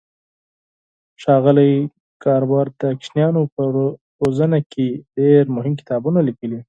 ښاغلي ګاربر د ماشومانو په روزنه کې ډېر مهم کتابونه لیکلي.